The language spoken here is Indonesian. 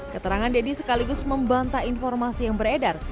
keterangan deddy sekaligus membantah informasi yang beredar